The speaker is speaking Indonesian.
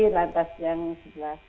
lantas yang sebelah